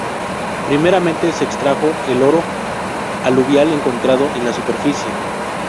Primeramente se extrajo el oro aluvial encontrado en la superficie.